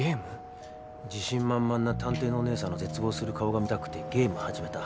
自信満々な探偵のおねえさんの絶望する顔が見たくてゲーム始めた。